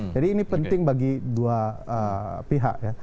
jadi ini penting bagi dua pihak ya